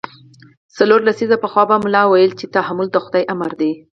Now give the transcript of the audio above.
څلور لسیزې پخوا به ملا ویل چې تحمل د خدای امر دی.